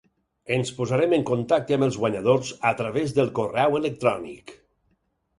Ens posarem en contacte amb els guanyadors a través del correu electrònic.